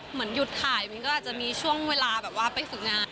เหมือนหยุดถ่ายมันก็อาจจะมีช่วงเวลาแบบว่าไปฝึกงาน